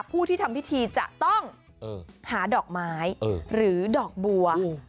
ผู้ที่ทำพิธีจะต้องหาดอกไม้หรือดอกบัว